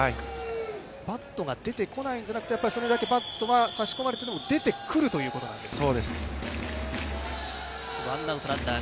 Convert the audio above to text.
バットが出てこないんじゃなくて、それだけ差し込まれてもバットは出てくるということなんですね。